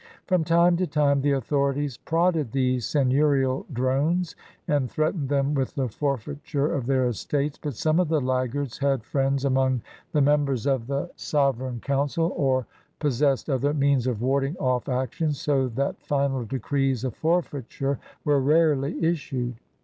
From time to time the authorities prodded these seigneiirial drones and threatened them with the forfeiture of their estates; but some of the laggards had friends among the members of the Sovereign SEIGNEURS OF OLD CANADA 14S Council or possessed other means of warding off action, so that final decrees of f oref eiture were rarely issued.